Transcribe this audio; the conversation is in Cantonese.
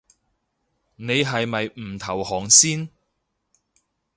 你係咪唔投降先